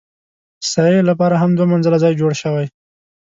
سعې لپاره هم دوه منزله ځای جوړ شوی.